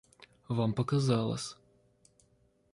— Вам показалось.